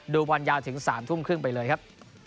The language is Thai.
ดูบอลยาวถึง๓ทุ่มครึ่งไปเลยครับ